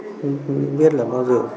không biết là bao giờ